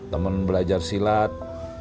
temen belajar silat